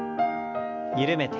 緩めて。